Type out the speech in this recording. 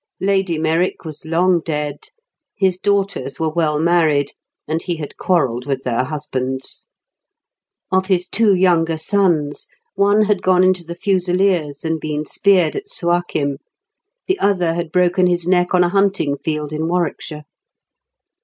Lady Merrick was long dead. His daughters were well married, and he had quarrelled with their husbands. Of his two younger sons, one had gone into the Fusiliers and been speared at Suakim; the other had broken his neck on a hunting field in Warwickshire.